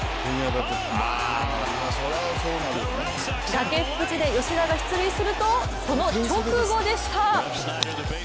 崖っぷちで吉田が出塁するとその直後でした。